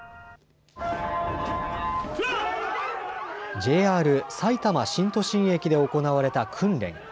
ＪＲさいたま新都心駅で行われた訓練。